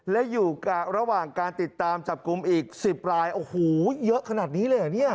และอยู่ระหว่างการติดตามจับกลุ่มอีก๑๐รายโอ้โหเยอะขนาดนี้เลยเหรอเนี่ย